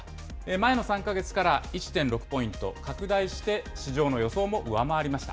前の３か月から１．６ポイント拡大して、市場の予想も上回りました。